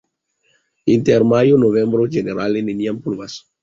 Inter majo-novembro ĝenerale neniam pluvas.